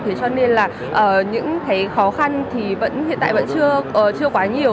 cho nên những khó khăn hiện tại vẫn chưa quá nhiều